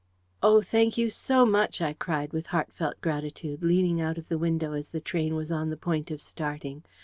"Oh, thank you so much!" I cried, with heartfelt gratitude, leaning out of the window as the train was on the point of starting.